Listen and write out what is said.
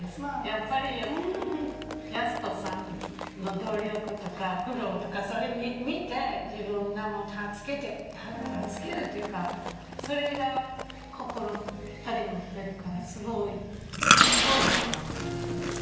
やっぱり康子さんの努力とか苦労とかそれ見て自分が助けるというかそれが心に２人持ってるからすごいと思ってます。